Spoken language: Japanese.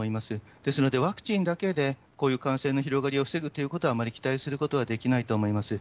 ですのでワクチンだけで、こういう感染の広がりを防ぐということはあまり期待することはできないと思います。